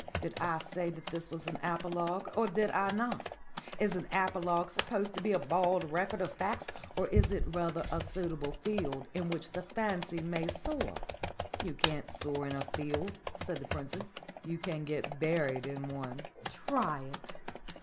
"Did I say that this was an apologue or did I not? Is an apologue supposed to be a bald record of facts or is it rather a suitable field in which the fancy may soar?" "You can't soar in a field," said the Princess. "You can get buried in one. Try it.